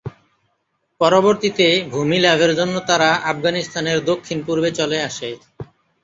পরবর্তীতে ভূমি লাভের জন্য তারা আফগানিস্তানের দক্ষিণপূর্বে চলে আসে।